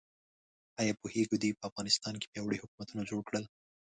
ایا پوهیږئ دوی په افغانستان کې پیاوړي حکومتونه جوړ کړل؟